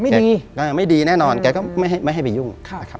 ไม่ดีไม่ดีแน่นอนแต่ก็ไม่ให้ไปยุ่ง